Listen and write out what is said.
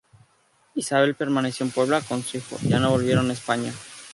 Isabel permaneció en Puebla con su hijo; ya no volvieron a España.